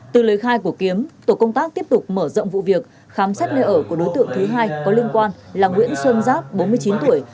từ lời khai của kiếm tổ công tác tiếp tục mở rộng vụ việc khám xét nơi ở của đối tượng thứ hai có liên quan là nguyễn xuân giáp bốn mươi chín tuổi